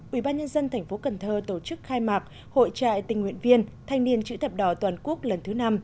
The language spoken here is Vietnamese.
ủy ban nhân dân thành phố cần thơ tổ chức khai mạc hội trại tình nguyện viên thanh niên chữ thập đỏ toàn quốc lần thứ năm